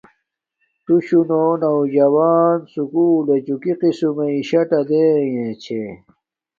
تو شوہ نو نوجون سوکولچو کی قسم مݵ ٹسٹہ دینݣ چھے